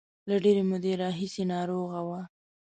له ډېرې مودې راهیسې ناروغه و.